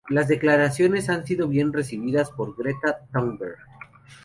Las declaraciones han sido bien recibidas por Greta Thunberg.